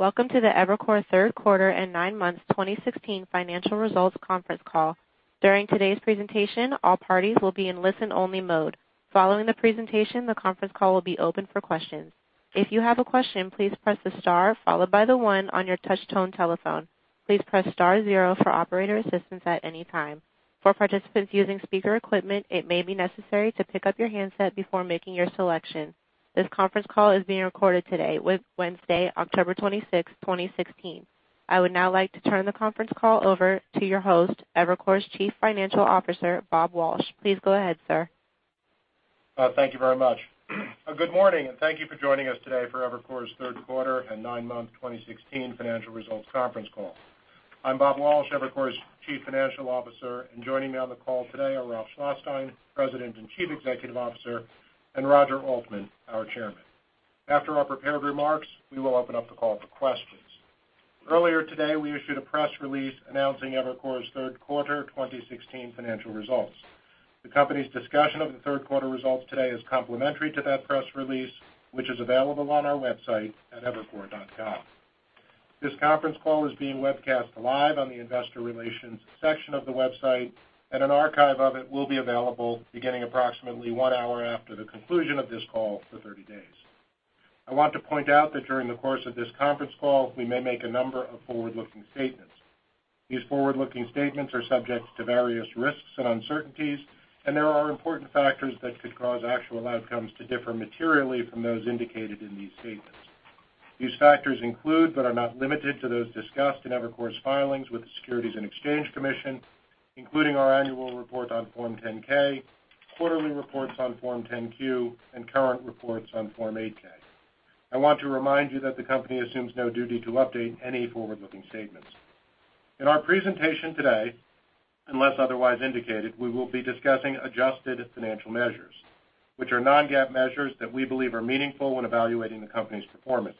Welcome to the Evercore third quarter and nine months 2016 financial results conference call. During today's presentation, all parties will be in listen-only mode. Following the presentation, the conference call will be open for questions. If you have a question, please press the star followed by the one on your touchtone telephone. Please press star zero for operator assistance at any time. For participants using speaker equipment, it may be necessary to pick up your handset before making your selection. This conference call is being recorded today, Wednesday, October 26, 2016. I would now like to turn the conference call over to your host, Evercore's Chief Financial Officer, Bob Walsh. Please go ahead, sir. Thank you very much. Good morning. Thank you for joining us today for Evercore's third quarter and nine-month 2016 financial results conference call. I'm Bob Walsh, Evercore's Chief Financial Officer, and joining me on the call today are Ralph Schlosstein, President and Chief Executive Officer, and Roger Altman, our Chairman. After our prepared remarks, we will open up the call for questions. Earlier today, we issued a press release announcing Evercore's third quarter 2016 financial results. The company's discussion of the third quarter results today is complementary to that press release, which is available on our website at evercore.com. This conference call is being webcast live on the investor relations section of the website, and an archive of it will be available beginning approximately one hour after the conclusion of this call for 30 days. I want to point out that during the course of this conference call, we may make a number of forward-looking statements. These forward-looking statements are subject to various risks and uncertainties, and there are important factors that could cause actual outcomes to differ materially from those indicated in these statements. These factors include, but are not limited to, those discussed in Evercore's filings with the Securities and Exchange Commission, including our annual report on Form 10-K, quarterly reports on Form 10-Q, and current reports on Form 8-K. I want to remind you that the company assumes no duty to update any forward-looking statements. In our presentation today, unless otherwise indicated, we will be discussing adjusted financial measures, which are non-GAAP measures that we believe are meaningful when evaluating the company's performance.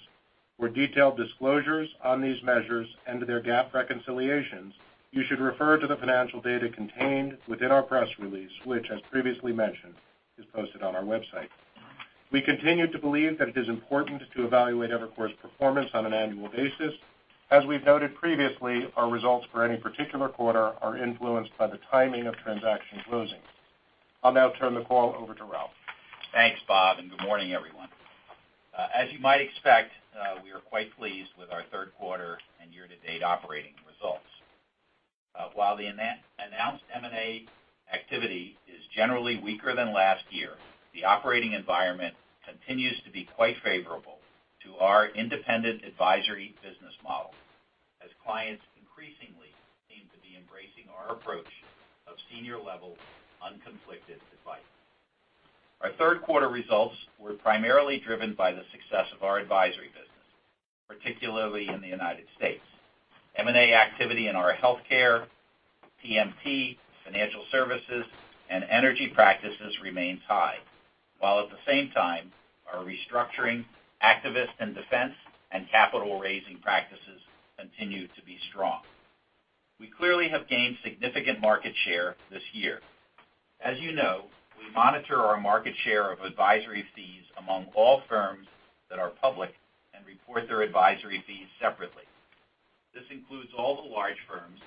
For detailed disclosures on these measures and their GAAP reconciliations, you should refer to the financial data contained within our press release, which, as previously mentioned, is posted on our website. We continue to believe that it is important to evaluate Evercore's performance on an annual basis. As we've noted previously, our results for any particular quarter are influenced by the timing of transaction closings. I'll now turn the call over to Ralph. Thanks, Bob, and good morning, everyone. As you might expect, we are quite pleased with our third quarter and year-to-date operating results. While the announced M&A activity is generally weaker than last year, the operating environment continues to be quite favorable to our independent advisory business model as clients increasingly seem to be embracing our approach of senior-level, unconflicted advice. Our third quarter results were primarily driven by the success of our advisory business, particularly in the United States. M&A activity in our healthcare, TMT, financial services, and energy practices remains high. While at the same time, our restructuring, activist and defense, and capital-raising practices continue to be strong. We clearly have gained significant market share this year. As you know, we monitor our market share of advisory fees among all firms that are public and report their advisory fees separately. This includes all the large firms,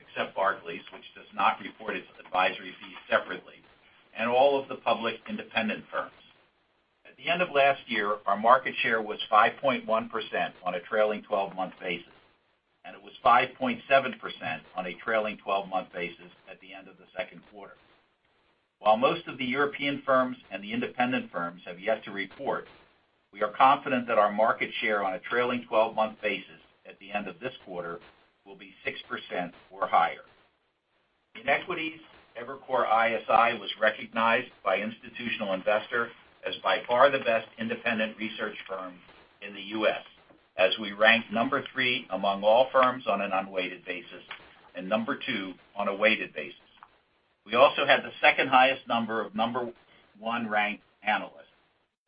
except Barclays, which does not report its advisory fees separately, and all of the public independent firms. At the end of last year, our market share was 5.1% on a trailing 12-month basis, and it was 5.7% on a trailing 12-month basis at the end of the second quarter. While most of the European firms and the independent firms have yet to report, we are confident that our market share on a trailing 12-month basis at the end of this quarter will be 6% or higher. In equities, Evercore ISI was recognized by Institutional Investor as by far the best independent research firm in the U.S., as we ranked number 3 among all firms on an unweighted basis and number 2 on a weighted basis. We also had the second highest number of number 1-ranked analysts,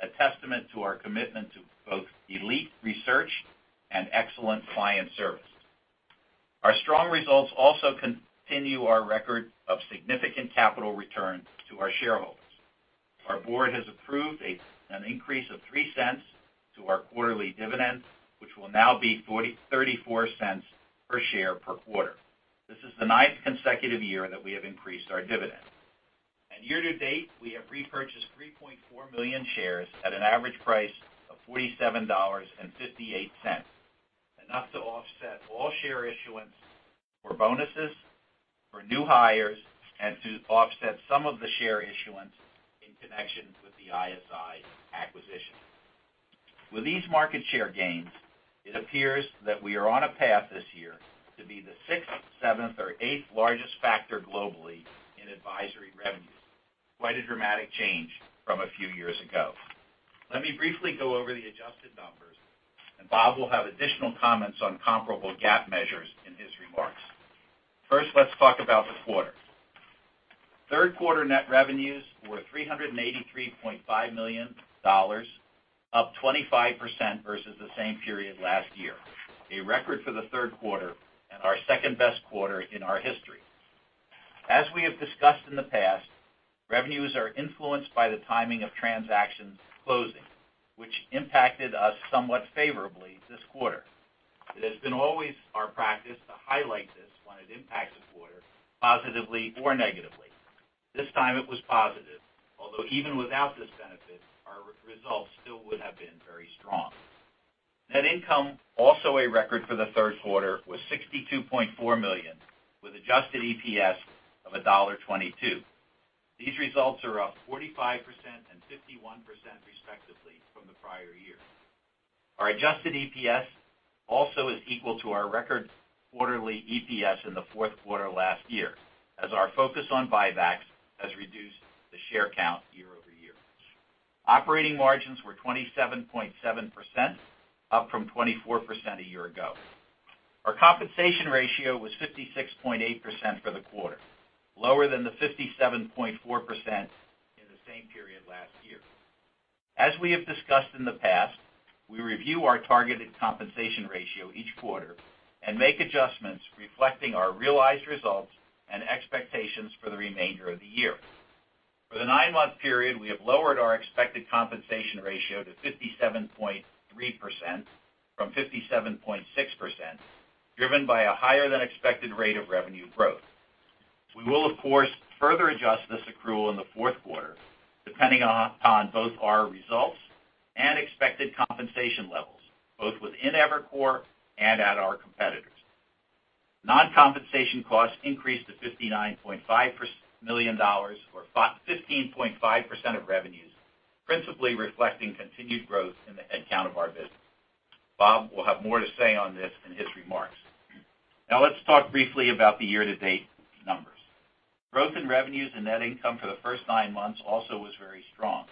a testament to our commitment to both elite research and excellent client service. Our strong results also continue our record of significant capital returns to our shareholders. Our board has approved an increase of $0.03 to our quarterly dividends, which will now be $0.34 per share per quarter. This is the ninth consecutive year that we have increased our dividend. Year to date, we have repurchased 3.4 million shares at an average price of $47.58, enough to offset all share issuance for bonuses for new hires and to offset some of the share issuance in connection with the ISI acquisition. With these market share gains, it appears that we are on a path this year to be the sixth, seventh, or eighth largest factor globally in advisory revenues. Quite a dramatic change from a few years ago. Let me briefly go over the adjusted numbers. Bob will have additional comments on comparable GAAP measures in his remarks. First, let's talk about the quarter. Third quarter net revenues were $383.5 million, up 25% versus the same period last year, a record for the third quarter and our second-best quarter in our history. As we have discussed in the past, revenues are influenced by the timing of transactions closing, which impacted us somewhat favorably this quarter. It has been always our practice to highlight this when it impacts a quarter positively or negatively. This time it was positive. Although even without this benefit, our results still would have been very strong. Net income, also a record for the third quarter, was $62.4 million, with adjusted EPS of $1.22. These results are up 45% and 51% respectively from the prior year. Our adjusted EPS also is equal to our record quarterly EPS in the fourth quarter last year, as our focus on buybacks has reduced the share count year-over-year. Operating margins were 27.7%, up from 24% a year ago. Our compensation ratio was 56.8% for the quarter, lower than the 57.4% in the same period last year. As we have discussed in the past, we review our targeted compensation ratio each quarter and make adjustments reflecting our realized results and expectations for the remainder of the year. For the nine-month period, we have lowered our expected compensation ratio to 57.3% from 57.6%, driven by a higher-than-expected rate of revenue growth. We will, of course, further adjust this accrual in the fourth quarter, depending on both our results and expected compensation levels, both within Evercore and at our competitors. Non-compensation costs increased to $59.5 million, or 15.5% of revenues, principally reflecting continued growth in the headcount of our business. Bob will have more to say on this in his remarks. Let's talk briefly about the year-to-date numbers. Growth in revenues and net income for the first nine months also was very strong.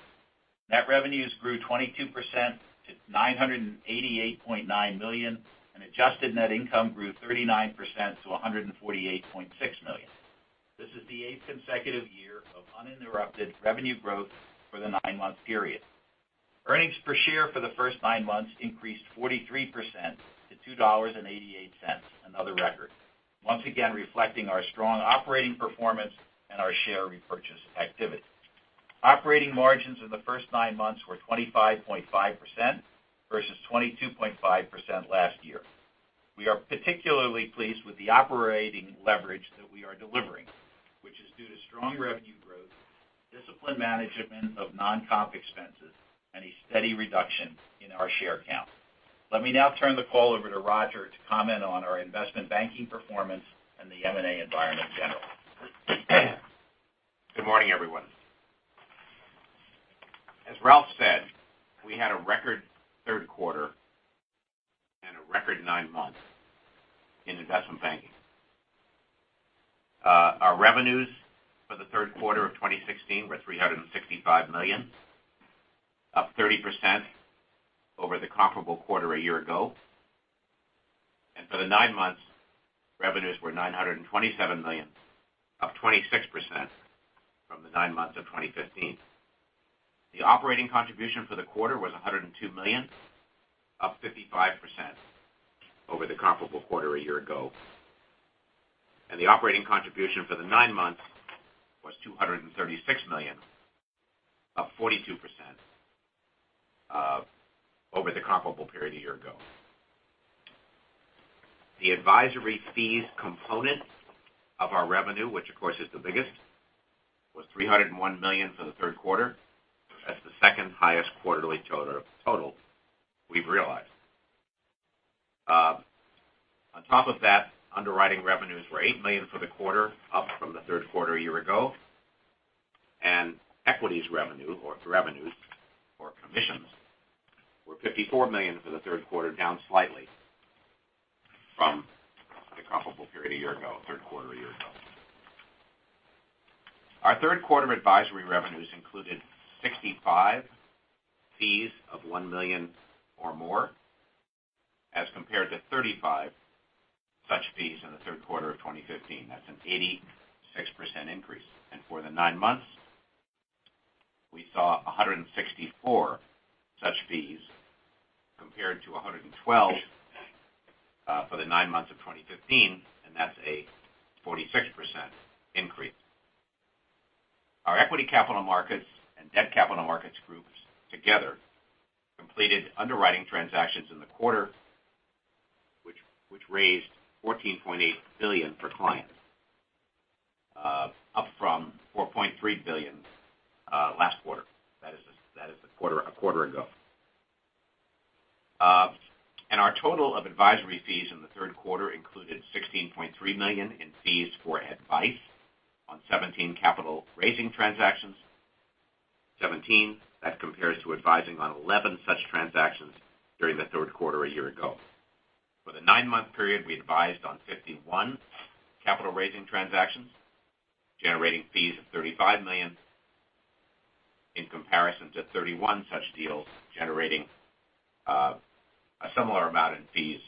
Net revenues grew 22% to $988.9 million, and adjusted net income grew 39% to $148.6 million. This is the eighth consecutive year of uninterrupted revenue growth for the nine-month period. Earnings per share for the first nine months increased 43% to $2.88, another record, once again reflecting our strong operating performance and our share repurchase activity. Operating margins in the first nine months were 25.5% versus 22.5% last year. We are particularly pleased with the operating leverage that we are delivering, which is due to strong revenue growth, disciplined management of non-comp expenses, and a steady reduction in our share count. Let me now turn the call over to Roger to comment on our investment banking performance and the M&A environment in general. Good morning, everyone. As Ralph said, we had a record third quarter and a record nine months in investment banking. Our revenues for the third quarter of 2016 were $365 million, up 30% over the comparable quarter a year ago. For the nine months, revenues were $927 million, up 26% from the nine months of 2015. The operating contribution for the quarter was $102 million, up 55% over the comparable quarter a year ago. The operating contribution for the nine months was $236 million, up 42% over the comparable period a year ago. The advisory fees component of our revenue, which of course is the biggest, was $301 million for the third quarter. That's the second highest quarterly total we've realized. On top of that, underwriting revenues were $8 million for the quarter, up from the third quarter a year ago, equities revenue or commissions were $54 million for the third quarter, down slightly from the comparable period a year ago, third quarter a year ago. Our third quarter advisory revenues included 65 fees of $1 million or more as compared to 35 such fees in the third quarter of 2015. That's an 86% increase. For the nine months, we saw 164 such fees compared to 112 for the nine months of 2015, that's a 46% increase. Our equity capital markets and debt capital markets groups together completed underwriting transactions in the quarter which raised $14.8 billion for clients, up from $4.3 billion last quarter. That is a quarter ago. Our total of advisory fees in the third quarter included $16.3 million in fees for advice on 17 capital-raising transactions. That compares to advising on 11 such transactions during the third quarter a year ago. For the nine-month period, we advised on 51 capital-raising transactions, generating fees of $35 million in comparison to 31 such deals, generating a similar amount in fees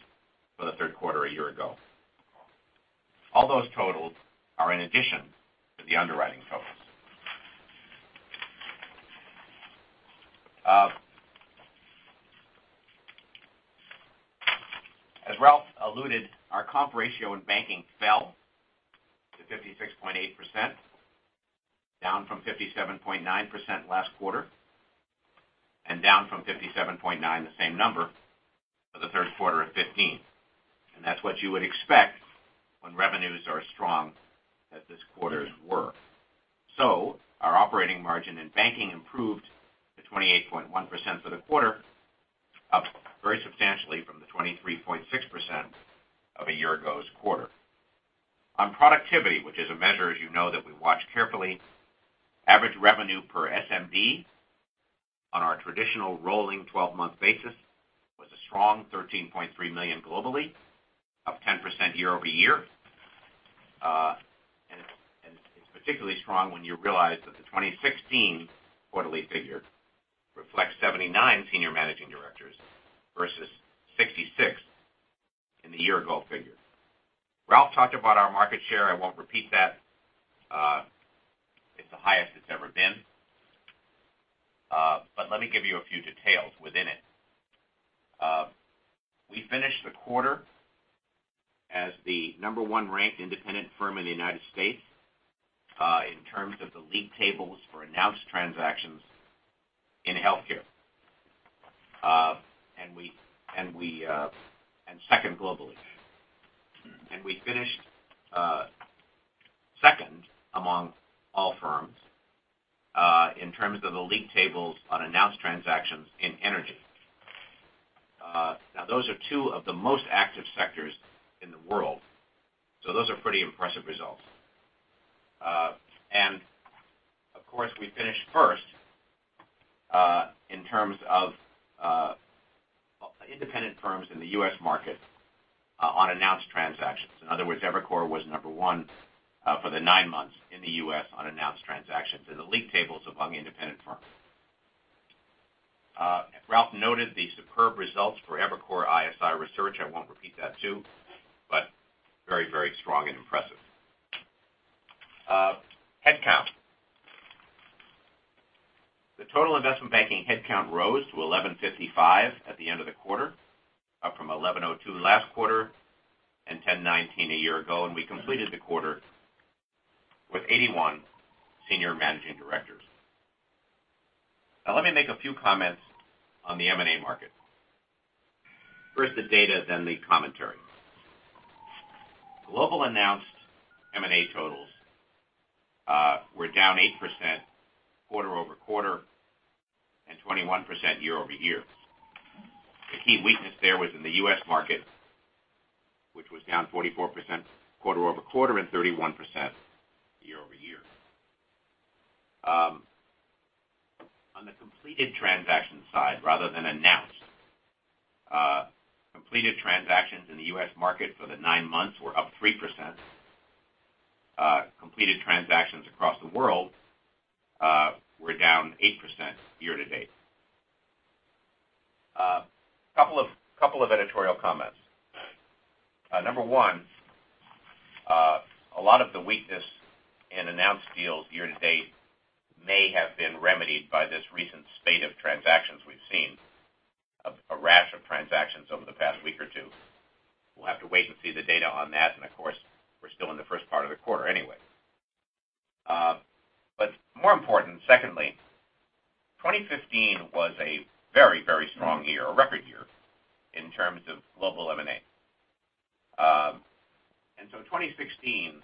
for the third quarter a year ago. All those totals are in addition to the underwriting totals. Ralph alluded our comp ratio in banking fell to 56.8%, down from 57.9% last quarter, down from 57.9%, the same number for the third quarter of 2015. That's what you would expect when revenues are as strong as this quarter's were. Our operating margin in banking improved to 28.1% for the quarter, up very substantially from the 23.6% of a year ago's quarter. On productivity, which is a measure, as you know, that we watch carefully, average revenue per SMD on our traditional rolling 12-month basis was a strong $13.3 million globally, up 10% year-over-year. It's particularly strong when you realize that the 2016 quarterly figure reflects 79 Senior Managing Directors versus 66 in the year-ago figure. Ralph talked about our market share. I won't repeat that. It's the highest it's ever been. Let me give you a few details within it. We finished the quarter as the number 1 ranked independent firm in the U.S. in terms of the league tables for announced transactions in healthcare, and second globally. We finished second among all firms in terms of the league tables on announced transactions in energy. Those are two of the most active sectors in the world, those are pretty impressive results. Of course, we finished first in terms of independent firms in the U.S. market on announced transactions. In other words, Evercore was number 1 for the nine months in the U.S. on announced transactions in the league tables among independent firms. Ralph noted the superb results for Evercore ISI research. I won't repeat that, too, but very strong and impressive. Headcount. The total investment banking headcount rose to 1,155 at the end of the quarter, up from 1,102 last quarter and 1,019 a year ago, we completed the quarter with 81 Senior Managing Directors. Let me make a few comments on the M&A market. First the data, then the commentary. Global announced M&A totals were down 8% quarter-over-quarter and 21% year-over-year. The key weakness there was in the U.S. market, which was down 44% quarter-over-quarter and 31% year-over-year. On the completed transaction side, rather than announced, completed transactions in the U.S. market for the nine months were up 3%. Completed transactions across the world were down 8% year-to-date. Couple of editorial comments. Number one, a lot of the weakness in announced deals year-to-date may have been remedied by this recent spate of transactions we've seen, a rash of transactions over the past week or two. We'll have to wait and see the data on that, and of course, we're still in the first part of the quarter anyway. More important, secondly, 2015 was a very strong year, a record year, in terms of global M&A. 2016,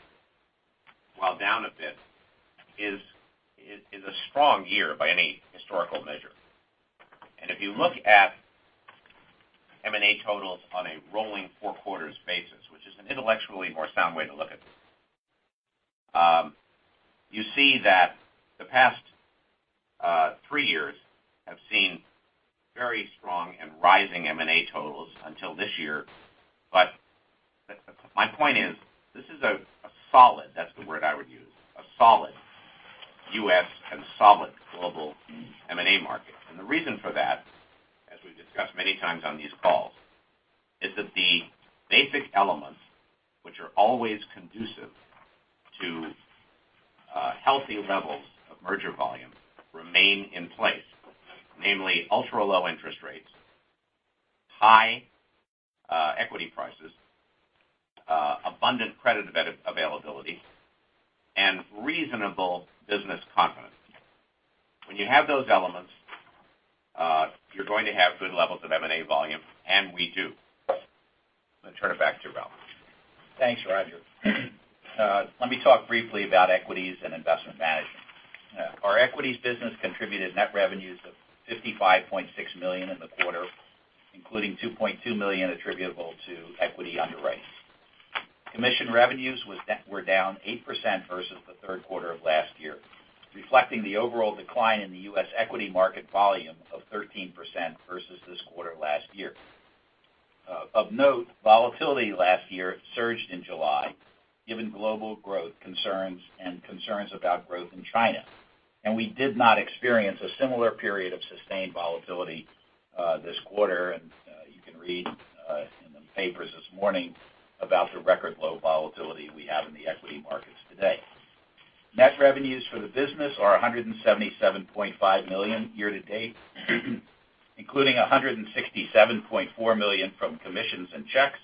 while down a bit, is a strong year by any historical measure. If you look at M&A totals on a rolling four quarters basis, which is an intellectually more sound way to look at this, you see that the past three years have seen very strong and rising M&A totals until this year. My point is, this is a solid, that's the word I would use, a solid U.S. and solid global M&A market. The reason for that, as we've discussed many times on these calls, is that the basic elements which are always conducive to healthy levels of merger volume remain in place. Namely ultra-low interest rates, high equity prices, abundant credit availability, and reasonable business confidence. When you have those elements, you're going to have good levels of M&A volume, and we do. I'm going to turn it back to Ralph. Thanks, Roger. Let me talk briefly about equities and investment management. Our equities business contributed net revenues of $55.6 million in the quarter, including $2.2 million attributable to equity underwriting. Commission revenues were down 8% versus the third quarter of last year, reflecting the overall decline in the U.S. equity market volume of 13% versus this quarter last year. Of note, volatility last year surged in July given global growth concerns and concerns about growth in China. We did not experience a similar period of sustained volatility this quarter. You can read in the papers this morning about the record low volatility we have in the equity markets today. Net revenues for the business are $177.5 million year to date, including $167.4 million from commissions and checks,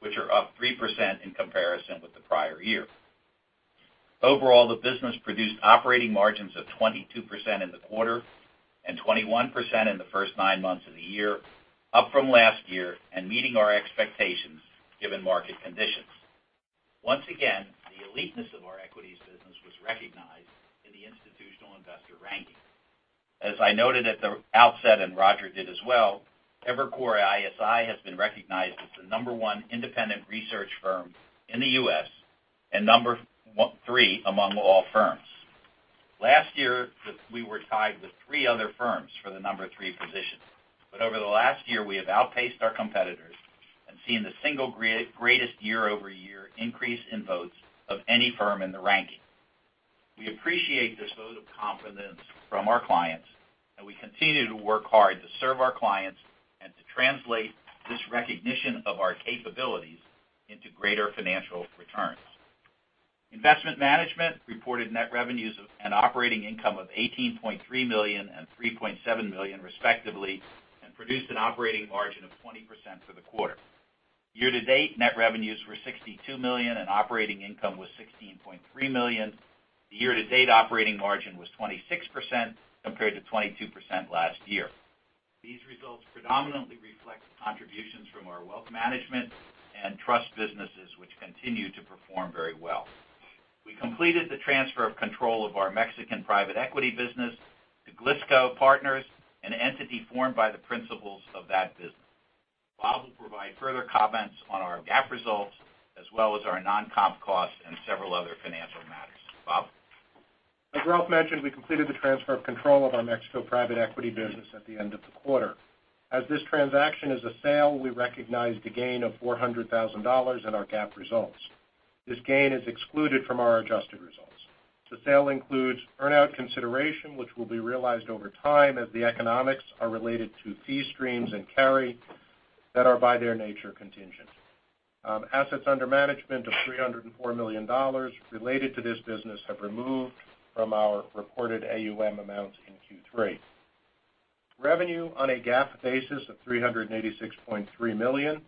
which are up 3% in comparison with the prior year. Overall, the business produced operating margins of 22% in the quarter and 21% in the first nine months of the year, up from last year and meeting our expectations given market conditions. Once again, the eliteness of our equities business was recognized in the Institutional Investor ranking. As I noted at the outset, and Roger did as well, Evercore ISI has been recognized as the number one independent research firm in the U.S. and number three among all firms. Last year, we were tied with three other firms for the number three position, but over the last year, we have outpaced our competitors and seen the single greatest year-over-year increase in votes of any firm in the ranking. We appreciate this vote of confidence from our clients, and we continue to work hard to serve our clients and to translate this recognition of our capabilities into greater financial returns. Investment management reported net revenues of an operating income of $18.3 million and $3.7 million, respectively, and produced an operating margin of 20% for the quarter. Year-to-date, net revenues were $62 million, and operating income was $16.3 million. The year-to-date operating margin was 26%, compared to 22% last year. These results predominantly reflect contributions from our wealth management and trust businesses, which continue to perform very well. We completed the transfer of control of our Mexican private equity business to Glisco Partners, an entity formed by the principals of that business. Bob will provide further comments on our GAAP results, as well as our non-comp costs and several other financial matters. Bob? As Ralph mentioned, we completed the transfer of control of our Mexico private equity business at the end of the quarter. As this transaction is a sale, we recognized a gain of $400,000 in our GAAP results. This gain is excluded from our adjusted results. The sale includes earn-out consideration, which will be realized over time as the economics are related to fee streams and carry that are, by their nature, contingent. Assets under management of $304 million related to this business have removed from our reported AUM amounts in Q3. Revenue on a GAAP basis of $386.3 million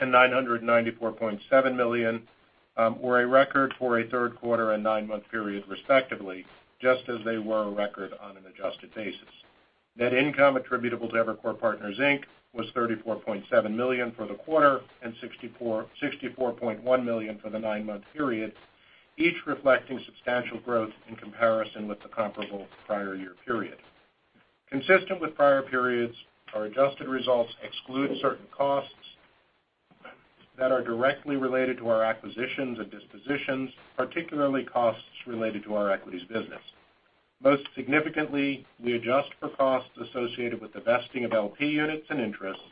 and $994.7 million were a record for a third quarter and nine-month period, respectively, just as they were a record on an adjusted basis. Net income attributable to Evercore Partners Inc. was $34.7 million for the quarter and $64.1 million for the nine-month period, each reflecting substantial growth in comparison with the comparable prior year period. Consistent with prior periods, our adjusted results exclude certain costs that are directly related to our acquisitions and dispositions, particularly costs related to our equities business. Most significantly, we adjust for costs associated with the vesting of LP Units and interests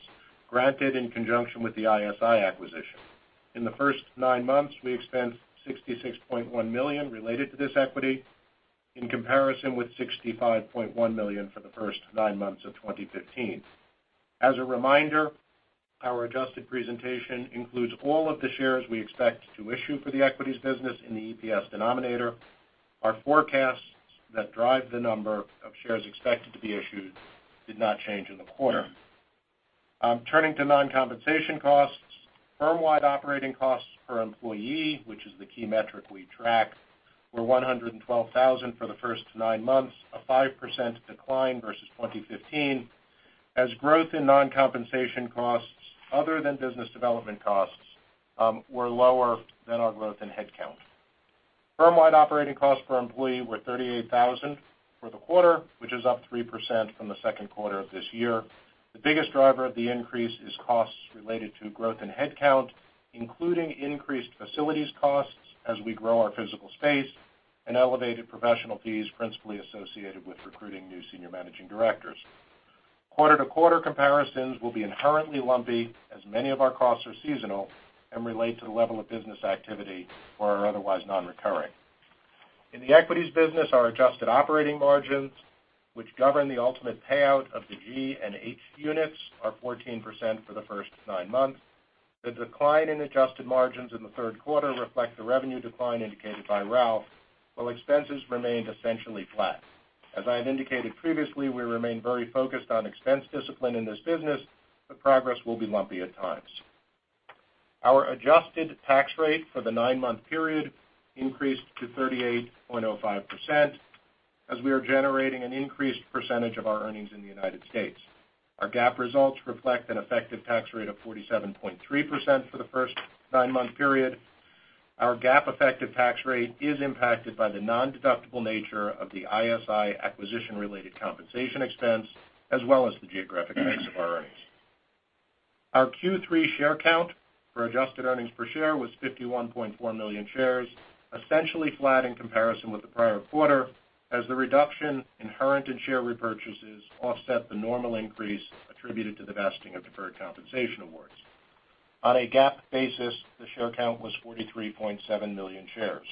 granted in conjunction with the ISI acquisition. In the first nine months, we expensed $66.1 million related to this equity, in comparison with $65.1 million for the first nine months of 2015. As a reminder, our adjusted presentation includes all of the shares we expect to issue for the equities business in the EPS denominator. Our forecasts that drive the number of shares expected to be issued did not change in the quarter. Firm-wide operating costs per employee, which is the key metric we track, were $112,000 for the first nine months, a 5% decline versus 2015, as growth in non-compensation costs other than business development costs were lower than our growth in headcount. Firm-wide operating costs per employee were $38,000 for the quarter, which is up 3% from the second quarter of this year. The biggest driver of the increase is costs related to growth in headcount, including increased facilities costs as we grow our physical space and elevated professional fees principally associated with recruiting new Senior Managing Directors. Quarter-to-quarter comparisons will be inherently lumpy as many of our costs are seasonal and relate to the level of business activity or are otherwise non-recurring. In the equities business, our adjusted operating margins, which govern the ultimate payout of the G and H units, are 14% for the first nine months. The decline in adjusted margins in the third quarter reflects the revenue decline indicated by Ralph, while expenses remained essentially flat. As I have indicated previously, we remain very focused on expense discipline in this business, but progress will be lumpy at times. Our adjusted tax rate for the nine-month period increased to 38.05% as we are generating an increased percentage of our earnings in the United States. Our GAAP results reflect an effective tax rate of 47.3% for the first nine-month period. Our GAAP effective tax rate is impacted by the non-deductible nature of the ISI acquisition-related compensation expense, as well as the geographic mix of our earnings. Our Q3 share count for adjusted earnings per share was 51.4 million shares, essentially flat in comparison with the prior quarter, as the reduction inherent in share repurchases offset the normal increase attributed to the vesting of deferred compensation awards. On a GAAP basis, the share count was 43.7 million shares.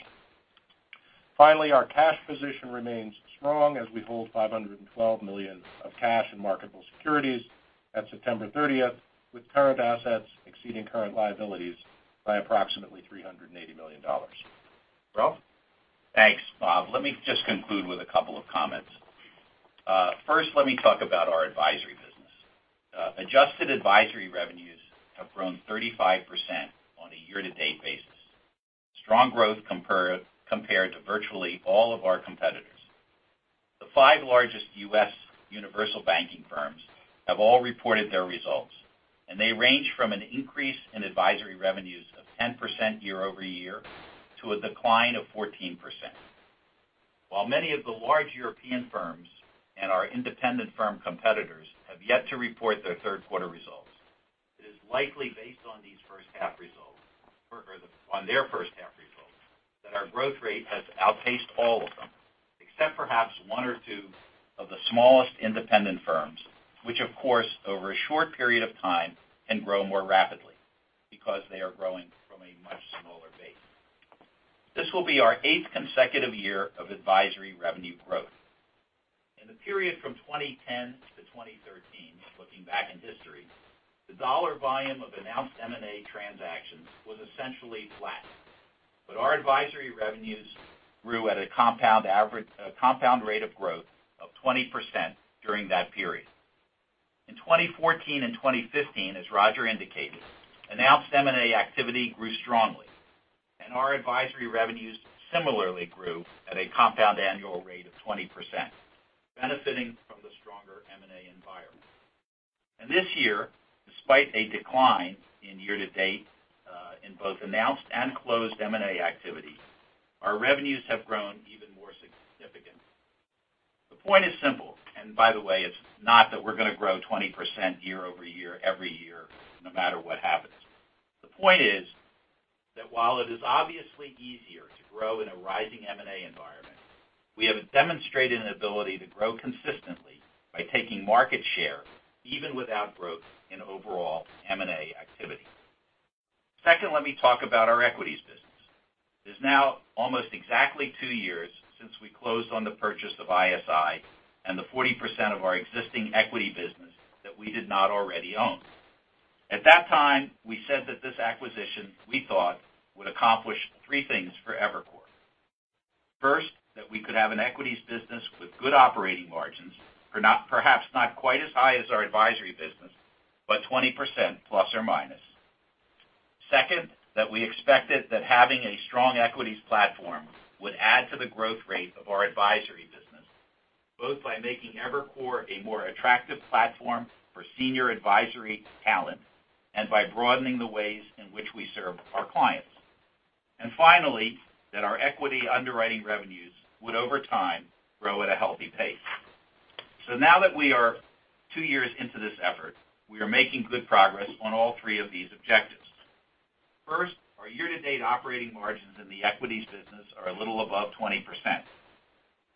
Finally, our cash position remains strong as we hold $512 million of cash and marketable securities at September 30th, with current assets exceeding current liabilities by approximately $380 million. Ralph? Thanks, Bob. Let me just conclude with a couple of comments. First, let me talk about our advisory business. Adjusted advisory revenues have grown 35% on a year-to-date basis. Strong growth compared to virtually all of our competitors. The five largest U.S. universal banking firms have all reported their results, and they range from an increase in advisory revenues of 10% year-over-year to a decline of 14%. While many of the large European firms and our independent firm competitors have yet to report their third quarter results, it is likely based on these first half results, or on their first half results, that our growth rate has outpaced all of them, except perhaps one or two of the smallest independent firms, which of course, over a short period of time, can grow more rapidly because they are growing from a much smaller base. This will be our eighth consecutive year of advisory revenue growth. In the period from 2010 to 2013, looking back in history, the dollar volume of announced M&A transactions was essentially flat. Our advisory revenues grew at a compound rate of growth of 20% during that period. In 2014 and 2015, as Roger indicated, announced M&A activity grew strongly, and our advisory revenues similarly grew at a compound annual rate of 20%, benefiting from the stronger M&A environment. This year, despite a decline in year-to-date, in both announced and closed M&A activity, our revenues have grown even more significantly. The point is simple. By the way, it's not that we're going to grow 20% year-over-year every year, no matter what happens. The point is that while it is obviously easier to grow in a rising M&A environment, we have demonstrated an ability to grow consistently by taking market share, even without growth in overall M&A activity. Second, let me talk about our equities business. It is now almost exactly two years since we closed on the purchase of ISI and the 40% of our existing equity business that we did not already own. At that time, we said that this acquisition, we thought, would accomplish three things for Evercore. First, that we could have an equities business with good operating margins, perhaps not quite as high as our advisory business, but 20% plus or minus. Second, that we expected that having a strong equities platform would add to the growth rate of our advisory business, both by making Evercore a more attractive platform for senior advisory talent and by broadening the ways in which we serve our clients. Finally, that our equity underwriting revenues would, over time, grow at a healthy pace. Now that we are two years into this effort, we are making good progress on all three of these objectives. First, our year-to-date operating margins in the equities business are a little above 20%.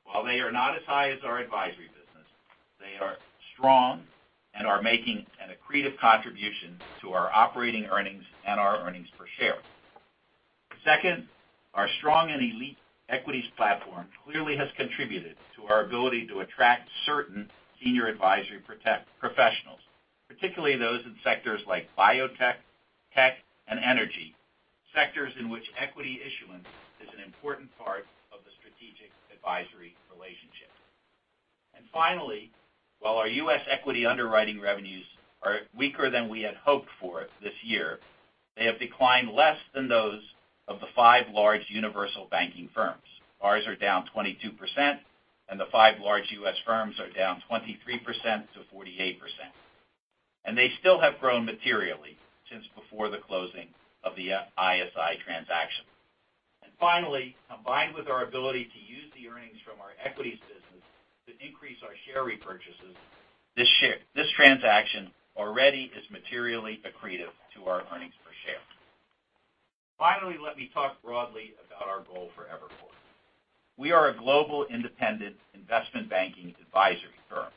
While they are not as high as our advisory business, they are strong and are making an accretive contribution to our operating earnings and our earnings per share. Second, our strong and elite equities platform clearly has contributed to our ability to attract certain senior advisory professionals, particularly those in sectors like biotech, tech, and energy, sectors in which equity issuance is an important part of the strategic advisory relationship. Finally, while our U.S. equity underwriting revenues are weaker than we had hoped for this year, they have declined less than those of the five large universal banking firms. Ours are down 22%, and the five large U.S. firms are down 23%-48%. They still have grown materially since before the closing of the ISI transaction. Finally, combined with our ability to use the earnings from our equities business to increase our share repurchases, this transaction already is materially accretive to our earnings per share. Finally, let me talk broadly about our goal for Evercore. We are a global independent investment banking advisory firm.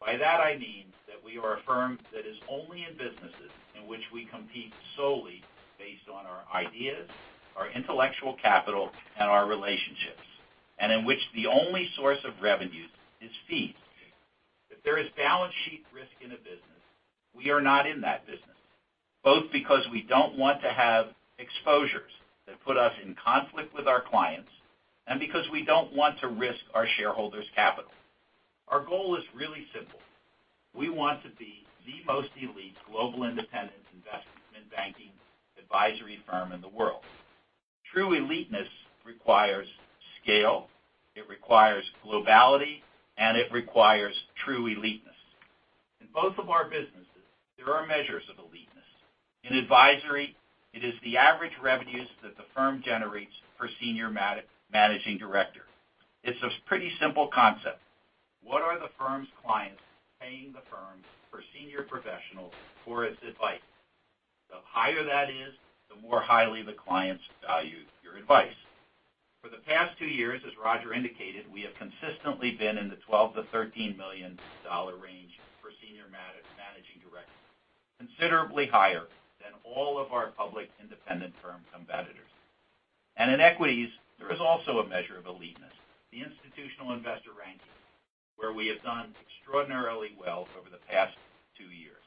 By that I mean that we are a firm that is only in businesses in which we compete solely based on our ideas, our intellectual capital, and our relationships, and in which the only source of revenue is fees. If there is balance sheet risk in a business, we are not in that business, both because we don't want to have exposures that put us in conflict with our clients and because we don't want to risk our shareholders' capital. Our goal is really simple. We want to be the most elite global independent investment banking advisory firm in the world. True eliteness requires scale, it requires globality, and it requires true eliteness. In both of our businesses, there are measures of eliteness. In advisory, it is the average revenues that the firm generates per senior managing director. It's a pretty simple concept. What are the firm's clients paying the firm for senior professionals for its advice? The higher that is, the more highly the clients value your advice. For the past two years, as Roger indicated, we have consistently been in the $12 million-$13 million range. Considerably higher than all of our public independent firm competitors. In equities, there is also a measure of eliteness, the Institutional Investor ranking, where we have done extraordinarily well over the past two years.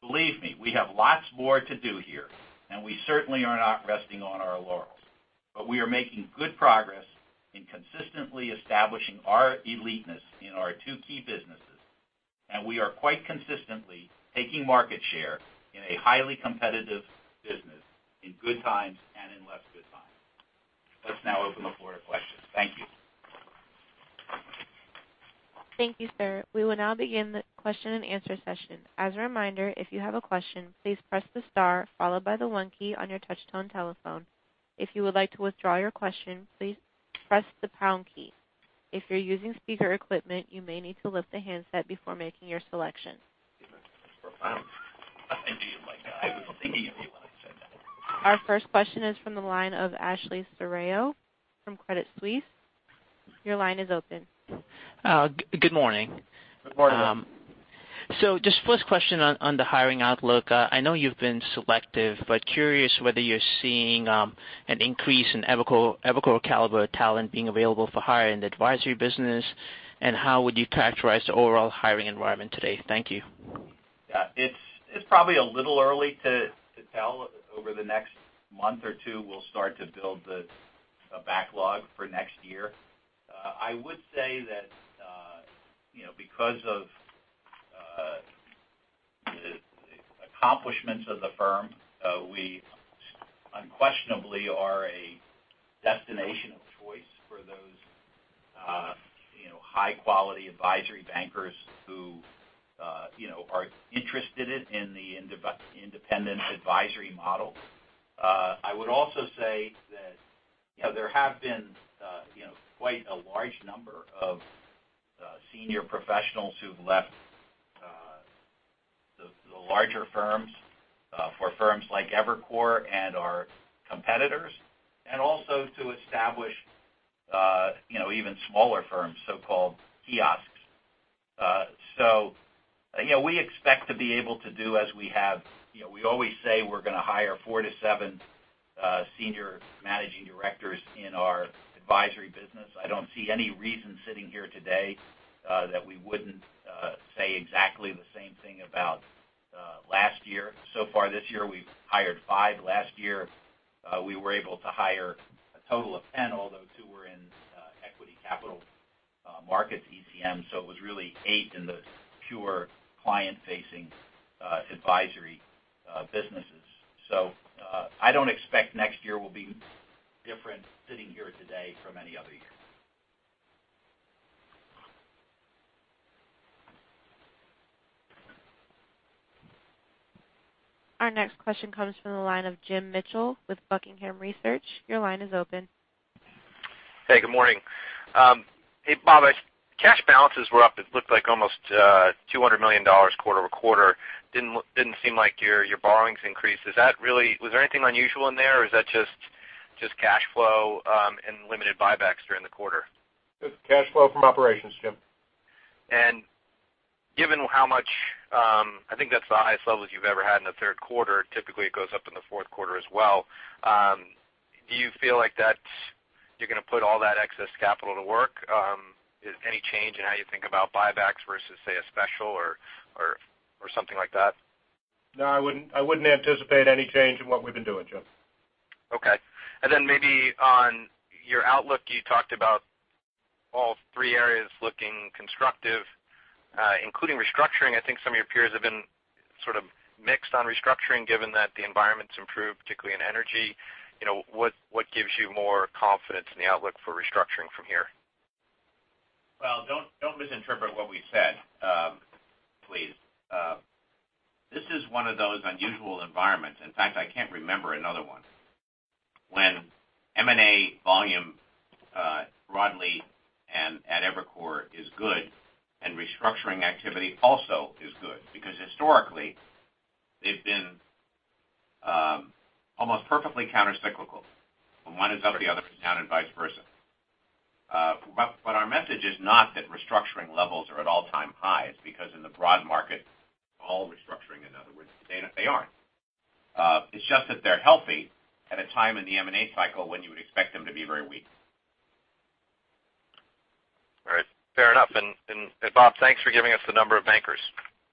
Believe me, we have lots more to do here, and we certainly are not resting on our laurels. We are making good progress in consistently establishing our eliteness in our two key businesses, and we are quite consistently taking market share in a highly competitive business in good times and in less good times. Let's now open the floor to questions. Thank you. Thank you, sir. We will now begin the question and answer session. As a reminder, if you have a question, please press the star followed by the one key on your touch-tone telephone. If you would like to withdraw your question, please press the pound key. If you're using speaker equipment, you may need to lift the handset before making your selection. I do. I was thinking of you when I said that. Our first question is from the line of Ashley Serrao from Credit Suisse. Your line is open. Good morning. Good morning. Just first question on the hiring outlook. I know you've been selective, but curious whether you're seeing an increase in Evercore caliber talent being available for hire in the advisory business, and how would you characterize the overall hiring environment today? Thank you. Yeah. It's probably a little early to tell. Over the next month or two, we'll start to build the backlog for next year. I would say that because of accomplishments of the firm, we unquestionably are a destination of choice for those high-quality advisory bankers who are interested in the independent advisory model. I would also say that there have been quite a large number of senior professionals who've left the larger firms for firms like Evercore and our competitors, and also to establish even smaller firms, so-called kiosks. We expect to be able to do as we have. We always say we're going to hire four to seven senior managing directors in our advisory business. I don't see any reason sitting here today that we wouldn't say exactly the same thing about last year. So far this year, we've hired five. Last year, we were able to hire a total of 10, although two were in equity capital markets, ECM, it was really eight in the pure client-facing advisory businesses. I don't expect next year will be different sitting here today from any other year. Our next question comes from the line of Jim Mitchell with Buckingham Research. Your line is open. Hey, good morning. Hey, Bob, cash balances were up. It looked like almost $200 million quarter-over-quarter. Didn't seem like your borrowings increased. Was there anything unusual in there, or is that just cash flow and limited buybacks during the quarter? Cash flow from operations, Jim. Given how much, I think that's the highest levels you've ever had in the third quarter. Typically, it goes up in the fourth quarter as well. Do you feel like you're going to put all that excess capital to work? Any change in how you think about buybacks versus, say, a special or something like that? No, I wouldn't anticipate any change in what we've been doing, Jim. Okay. Maybe on your outlook, you talked about all three areas looking constructive, including restructuring. I think some of your peers have been sort of mixed on restructuring, given that the environment's improved, particularly in energy. What gives you more confidence in the outlook for restructuring from here? Well, don't misinterpret what we've said, please. This is one of those unusual environments. In fact, I can't remember another one when M&A volume broadly and at Evercore is good and restructuring activity also is good because historically they've been almost perfectly countercyclical. When one is up, the other is down, and vice versa. Our message is not that restructuring levels are at all-time highs because in the broad market, all restructuring, in other words, they aren't. It's just that they're healthy at a time in the M&A cycle when you would expect them to be very weak. All right. Fair enough. Bob, thanks for giving us the number of bankers.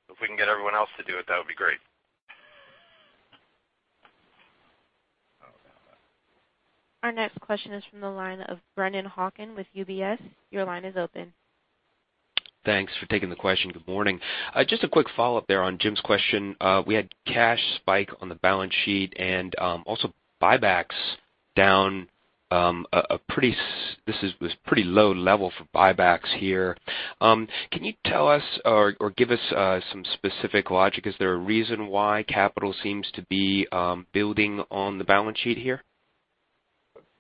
If we can get everyone else to do it, that would be great. Oh, man. Our next question is from the line of Brennan Hawken with UBS. Your line is open. Thanks for taking the question. Good morning. Just a quick follow-up there on Jim's question. We had cash spike on the balance sheet and also buybacks down. This was pretty low level for buybacks here. Can you tell us or give us some specific logic? Is there a reason why capital seems to be building on the balance sheet here?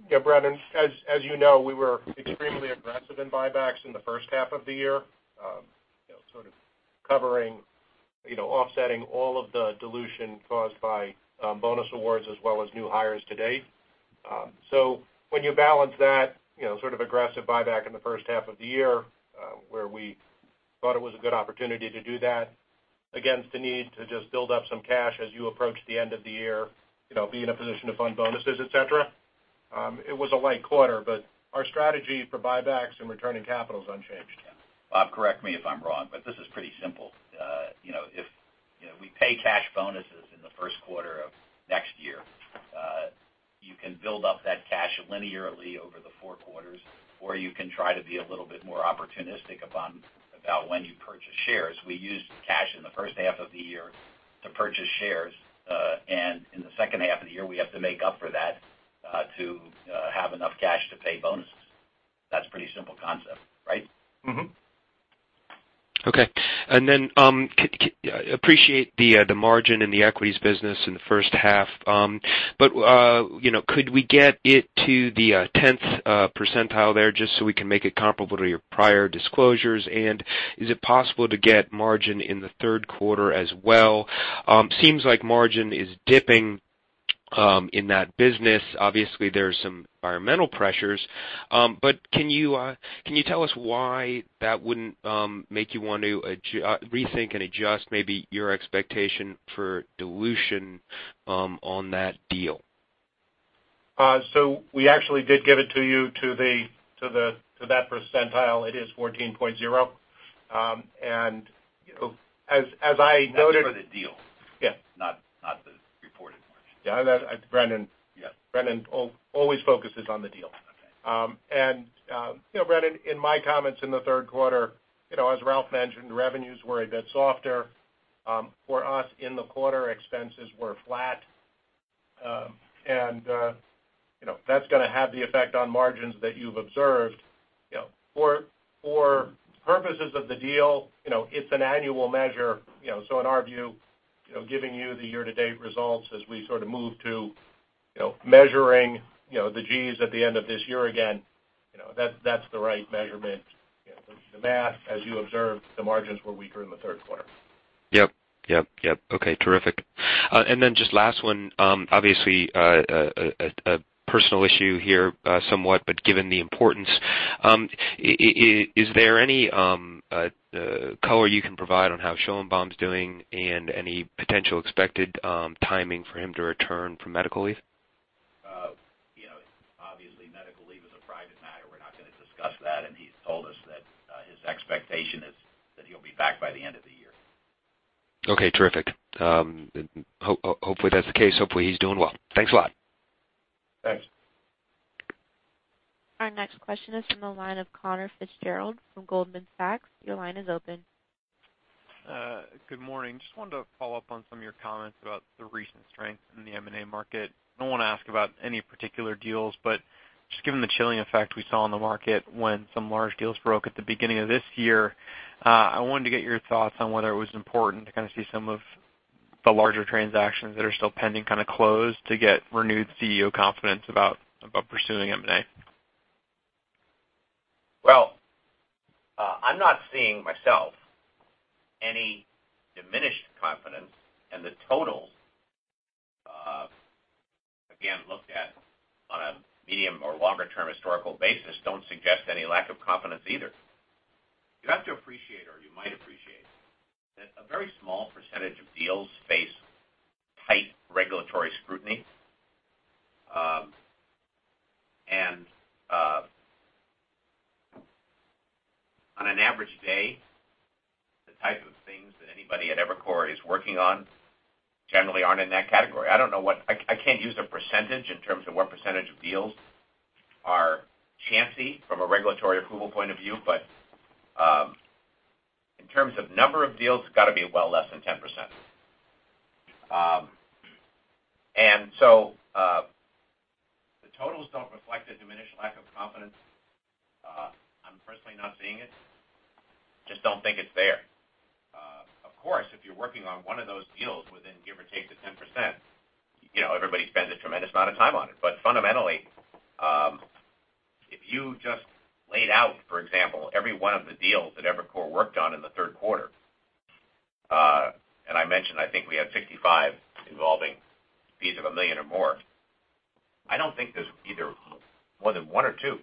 Yeah, Brennan, as you know, we were extremely aggressive in buybacks in the first half of the year sort of covering, offsetting all of the dilution caused by bonus awards as well as new hires to date. When you balance that sort of aggressive buyback in the first half of the year, where we thought it was a good opportunity to do that, against the need to just build up some cash as you approach the end of the year, be in a position to fund bonuses, et cetera. It was a light quarter, but our strategy for buybacks and returning capital is unchanged. Bob, correct me if I'm wrong, but this is pretty simple. If we pay cash bonuses in the first quarter of next year, you can build up that cash linearly over the four quarters, or you can try to be a little bit more opportunistic about when you purchase shares. We used cash in the first half of the year to purchase shares, and in the second half of the year, we have to make up for that to have enough cash to pay bonuses. That's a pretty simple concept, right? Okay. Appreciate the margin in the equities business in the first half. Could we get it to the 10th percentile there, just so we can make it comparable to your prior disclosures? Is it possible to get margin in the third quarter as well? Seems like margin is dipping in that business. Obviously, there's some environmental pressures. Can you tell us why that wouldn't make you want to rethink and adjust maybe your expectation for dilution on that deal? We actually did give it to you to that percentile. It is 14.0%. That's for the deal. Yeah. Not the reported margin. Yeah. Brennan. Yeah Brennan always focuses on the deal. Okay. Brennan, in my comments in the third quarter, as Ralph mentioned, revenues were a bit softer. For us in the quarter, expenses were flat. That's going to have the effect on margins that you've observed. For purposes of the deal, it's an annual measure. In our view, giving you the year-to-date results as we sort of move to measuring the Gs at the end of this year, again, that's the right measurement. The math, as you observed, the margins were weaker in the third quarter. Yep. Okay, terrific. Then just last one. Obviously, a personal issue here somewhat, but given the importance. Is there any color you can provide on how Schoenbaum's doing and any potential expected timing for him to return from medical leave? Obviously, medical leave is a private matter. We're not going to discuss that, he's told us that his expectation is that he'll be back by the end of the year. Okay, terrific. Hopefully, that's the case. Hopefully, he's doing well. Thanks a lot. Thanks. Our next question is from the line of Conor Fitzgerald from Goldman Sachs. Your line is open. Good morning. Just wanted to follow up on some of your comments about the recent strength in the M&A market. I don't want to ask about any particular deals, but just given the chilling effect we saw on the market when some large deals broke at the beginning of this year. I wanted to get your thoughts on whether it was important to kind of see some of the larger transactions that are still pending kind of close to get renewed CEO confidence about pursuing M&A. Well, I'm not seeing myself any diminished confidence, and the totals, again, looked at on a medium or longer term historical basis, don't suggest any lack of confidence either. You have to appreciate, or you might appreciate that a very small percentage of deals face tight regulatory scrutiny. On an average day, the type of things that anybody at Evercore is working on generally aren't in that category. I can't use a percentage in terms of what percentage of deals are chancy from a regulatory approval point of view. In terms of number of deals, it's got to be well less than 10%. The totals don't reflect a diminished lack of confidence. I'm personally not seeing it. Just don't think it's there. Of course, if you're working on one of those deals within give or take the 10%, everybody spends a tremendous amount of time on it. Fundamentally, if you just laid out, for example, every one of the deals that Evercore worked on in the third quarter. I mentioned, I think we had 55 involving fees of $1 million or more. I don't think there's either more than one or two,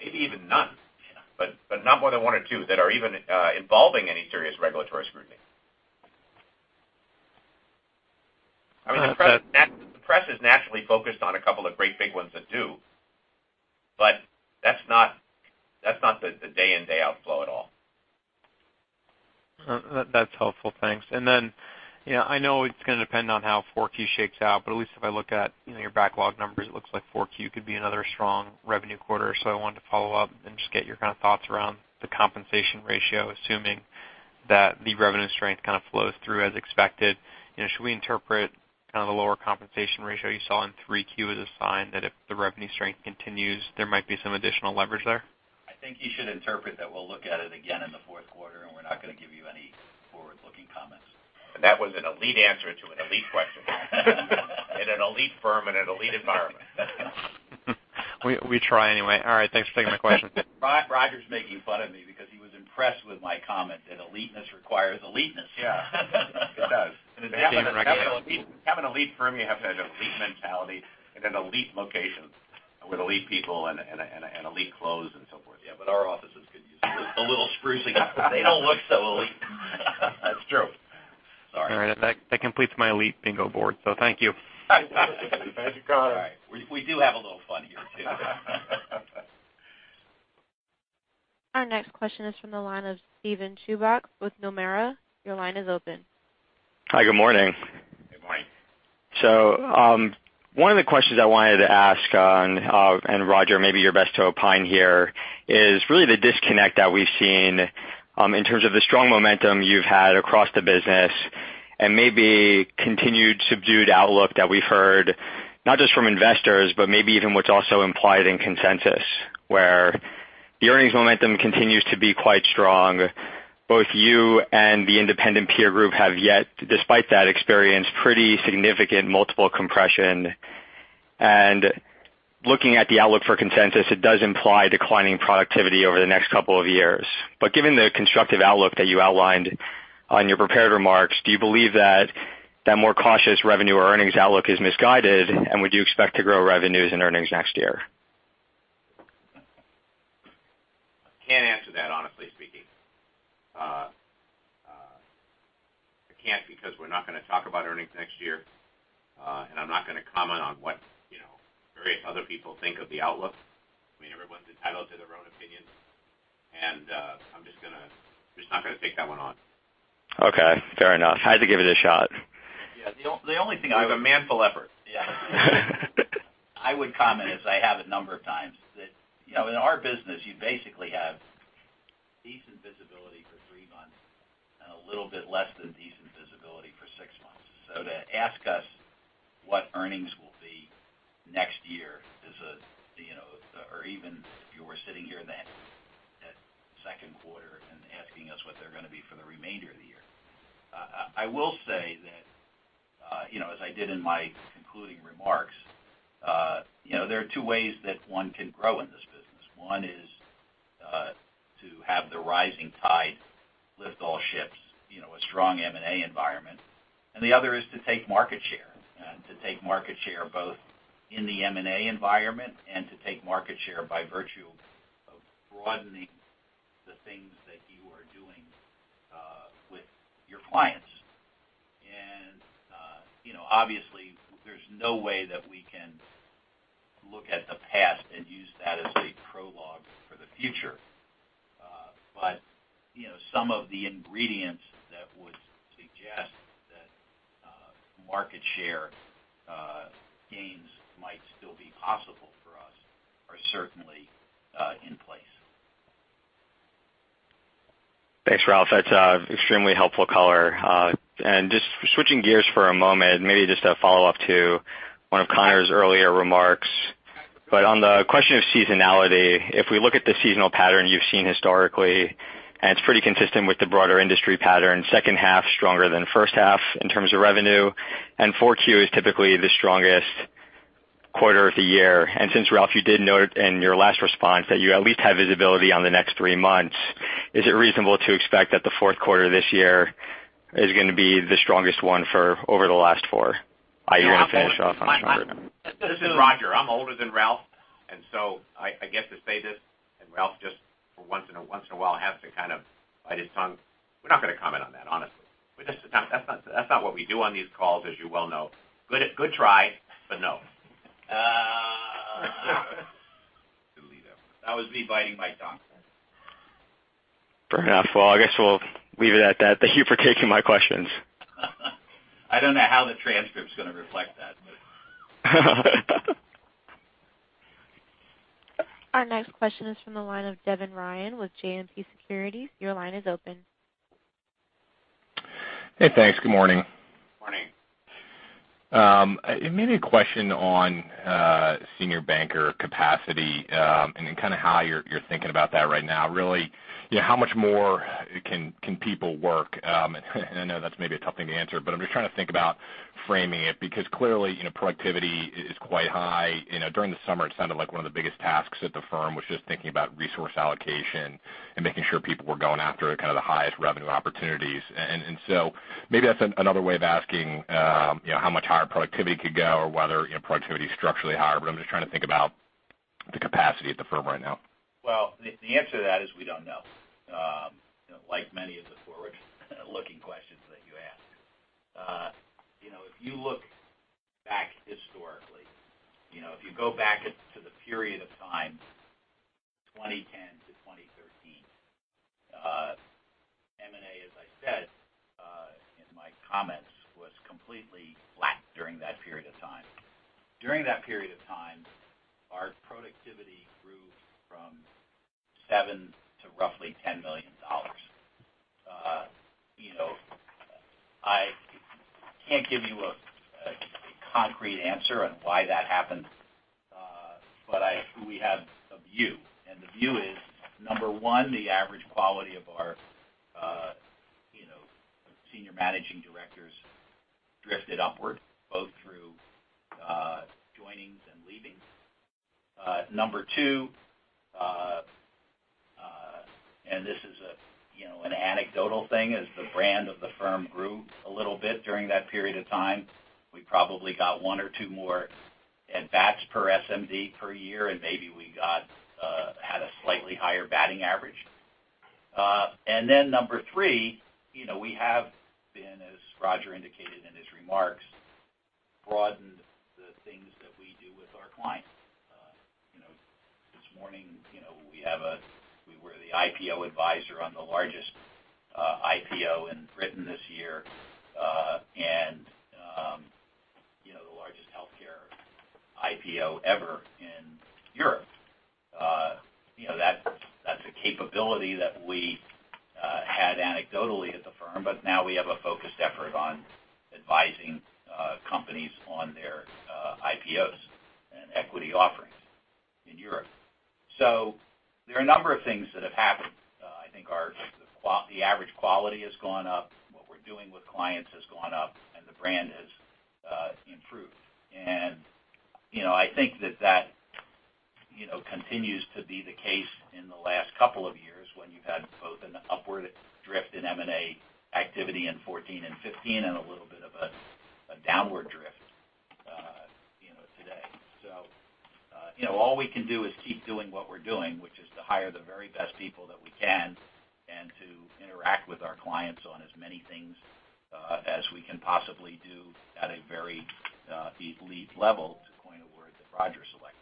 maybe even none, but not more than one or two that are even involving any serious regulatory scrutiny. The press is naturally focused on a couple of great big ones that do, but that's not the day in, day out flow at all. That's helpful. Thanks. I know it's going to depend on how Q4 shakes out, but at least if I look at your backlog numbers, it looks like Q4 could be another strong revenue quarter. I wanted to follow up and just get your kind of thoughts around the compensation ratio, assuming that the revenue strength kind of flows through as expected. Should we interpret kind of the lower compensation ratio you saw in Q3 as a sign that if the revenue strength continues, there might be some additional leverage there? I think you should interpret that we'll look at it again in the fourth quarter, and we're not going to give you any forward-looking comments. That was an elite answer to an elite question. In an elite firm, in an elite environment. We try anyway. All right, thanks for taking my question. Roger's making fun of me because he was impressed with my comment that eliteness requires eliteness. Yeah. It does. To have an elite firm, you have to have elite mentality and an elite location with elite people and elite clothes and so forth. Yeah, our offices. A little sprucing up. They don't look so elite. That's true. Sorry. All right. That completes my elite bingo board. Thank you. I think you got it. All right. We do have a little fun here, too. Our next question is from the line of Steven Chuback with Nomura. Your line is open. Hi, good morning. Good morning. One of the questions I wanted to ask, and Roger, maybe you're best to opine here, is really the disconnect that we've seen in terms of the strong momentum you've had across the business and maybe continued subdued outlook that we've heard, not just from investors, but maybe even what's also implied in consensus, where the earnings momentum continues to be quite strong. Both you and the independent peer group have yet, despite that experience, pretty significant multiple compression. Looking at the outlook for consensus, it does imply declining productivity over the next couple of years. Given the constructive outlook that you outlined on your prepared remarks, do you believe that that more cautious revenue or earnings outlook is misguided, and would you expect to grow revenues and earnings next year? I can't answer that, honestly speaking. I can't because we're not going to talk about earnings next year. I'm not going to comment on what various other people think of the outlook. Everyone's entitled to their own opinions, and I'm just not going to take that one on. Okay, fair enough. I had to give it a shot. The only thing. A manful effort. I would comment, as I have a number of times, that in our business, you basically have decent visibility for 3 months and a little bit less than decent visibility for 6 months. To ask us what earnings will be next year is Or even if you were sitting here that second quarter and asking us what they're going to be for the remainder of the year. I will say that, as I did in my concluding remarks, there are 2 ways that one can grow in this business. One is to have the rising tide lift all ships, a strong M&A environment. The other is to take market share. To take market share both in the M&A environment, and to take market share by virtue of broadening the things that you are doing with your clients. Obviously, there's no way that we can look at the past and use that as a prologue for the future. Some of the ingredients that would suggest that market share gains might still be possible for us are certainly in place. Thanks, Ralph. That's extremely helpful color. Just switching gears for a moment, maybe just a follow-up to one of Conor's earlier remarks. On the question of seasonality, if we look at the seasonal pattern you've seen historically, it's pretty consistent with the broader industry pattern, second half stronger than first half in terms of revenue, and 4Q is typically the strongest quarter of the year. Since, Ralph, you did note in your last response that you at least have visibility on the next three months, is it reasonable to expect that the fourth quarter this year is going to be the strongest one over the last four? I want to finish off on a stronger note. This is Roger. I'm older than Ralph, so I get to say this, and Ralph, just for once in a while, has to kind of bite his tongue. We're not going to comment on that, honestly. That's not what we do on these calls, as you well know. Good try, no. Delete it. That was me biting my tongue. Fair enough. Well, I guess we'll leave it at that. Thank you for taking my questions. I don't know how the transcript's going to reflect that. Our next question is from the line of Devin Ryan with JMP Securities. Your line is open. Hey, thanks. Good morning. Morning. Maybe a question on senior banker capacity, how you're thinking about that right now, really. How much more can people work? I know that's maybe a tough thing to answer, but I'm just trying to think about framing it because clearly, productivity is quite high. During the summer, it sounded like one of the biggest tasks at the firm was just thinking about resource allocation and making sure people were going after the highest revenue opportunities. Maybe that's another way of asking how much higher productivity could go or whether productivity is structurally higher. I'm just trying to think about the capacity at the firm right now. Well, the answer to that is we don't know. Like many of the forward-looking questions that you ask. If you look back historically, if you go back to the period of time, 2010 to 2013. M&A, as I said in my comments, was completely flat during that period of time. During that period of time, our productivity grew from seven to roughly $10 million. I can't give you a concrete answer on why that happened. We have a view, and the view is, number one, the average quality of our Senior Managing Directors drifted upward, both through joinings and leaving. Number two, and this is an anecdotal thing, as the brand of the firm grew a little bit during that period of time, we probably got one or two more at-bats per SMD per year, and maybe we had a slightly higher batting average. Number three, we have been, as Roger indicated in his remarks, broadened the things that we do with our clients. This morning, we were the IPO advisor on the largest IPO in Britain this year, and the largest healthcare IPO ever in Europe. That's a capability that we had anecdotally at the firm, but now we have a focused effort on advising companies on their IPOs and equity offerings in Europe. There are a number of things that have happened. I think the average quality has gone up, what we're doing with clients has gone up, and the brand has improved. I think that continues to be the case in the last couple of years, when you've had both an upward drift in M&A activity in 2014 and 2015, and a little bit of a downward drift today. All we can do is keep doing what we're doing, which is to hire the very best people that we can, and to interact with our clients on as many things as we can possibly do at a very elite level, to coin a word that Roger selected.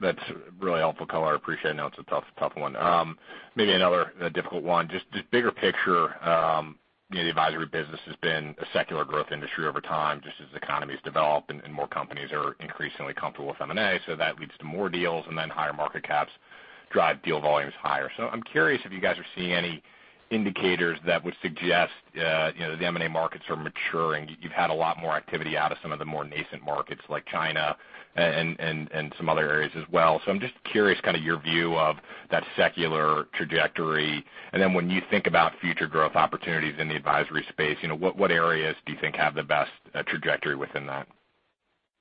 That's really helpful, color, I appreciate it. I know it's a tough one. Maybe another difficult one. Just bigger picture, the advisory business has been a secular growth industry over time, just as the economy's developed and more companies are increasingly comfortable with M&A, that leads to more deals, and higher market caps drive deal volumes higher. I'm curious if you guys are seeing any indicators that would suggest the M&A markets are maturing. You've had a lot more activity out of some of the more nascent markets like China and some other areas as well. I'm just curious, your view of that secular trajectory, and then when you think about future growth opportunities in the advisory space, what areas do you think have the best trajectory within that?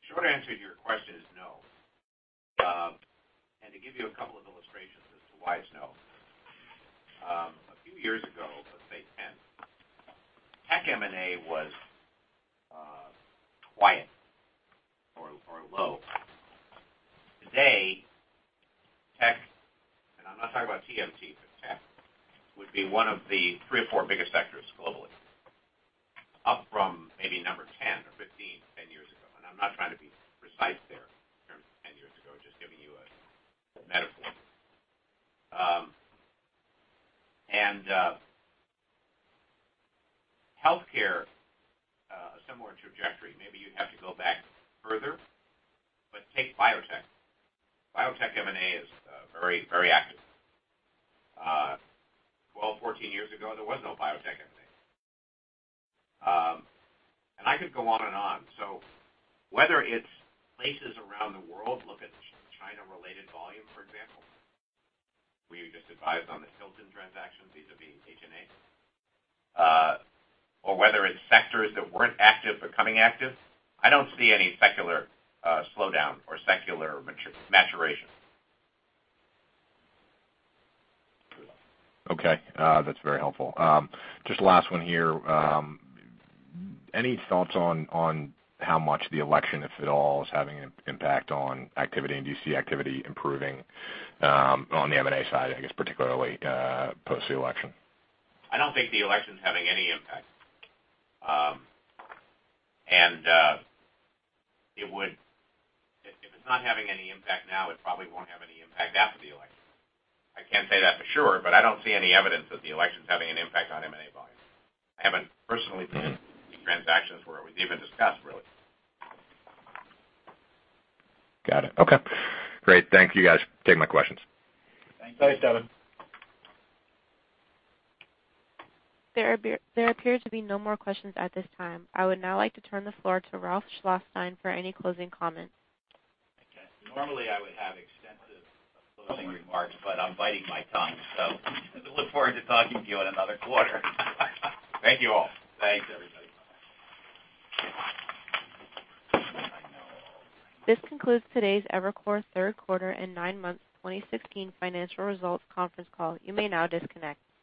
Short answer to your question is no. To give you a couple of illustrations as to why it's no. A few years ago, let's say 10, tech M&A was quiet or low. Today, tech, I'm not talking about TMT, but tech, would be one of the three or four biggest sectors globally, up from maybe number 10 or 15, 10 years ago. I'm not trying to be precise there in terms of 10 years ago, just giving you a metaphor. Healthcare, a similar trajectory. Maybe you'd have to go back further, but take biotech. Biotech M&A is very active. 12, 14 years ago, there was no biotech M&A. I could go on and on. Whether it's places around the world, look at China-related volume, for example. We just advised on the Hilton transaction vis-a-vis HNA. Whether it's sectors that weren't active but becoming active. I don't see any secular slowdown or secular maturation. Okay. That's very helpful. Just last one here. Any thoughts on how much the election, if at all, is having an impact on activity? Do you see activity improving on the M&A side, I guess particularly, post the election? I don't think the election's having any impact. If it's not having any impact now, it probably won't have any impact after the election. I can't say that for sure, but I don't see any evidence that the election's having an impact on M&A volume. I haven't personally been in transactions where it was even discussed, really. Got it. Okay. Great. Thank you, guys, for taking my questions. Thank you. Thanks, Devin. There appear to be no more questions at this time. I would now like to turn the floor to Ralph Schlosstein for any closing comments. Okay. Normally, I would have extensive closing remarks, but I'm biting my tongue. Look forward to talking to you in another quarter. Thank you all. Thanks, everybody. This concludes today's Evercore third quarter and 9 months 2016 financial results conference call. You may now disconnect.